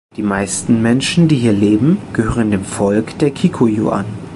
Die meisten Menschen, die hier leben, gehören dem Volk der Kikuyu an.